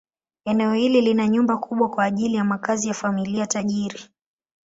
Eneo hili lina nyumba kubwa kwa ajili ya makazi ya familia tajiri.